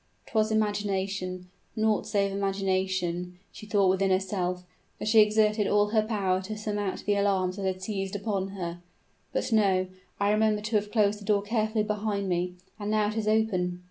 "'Twas imagination naught save imagination," she thought within herself, as she exerted all her power to surmount the alarms that had seized upon her. "But no! I remember to have closed the door carefully behind me, and now it is open!"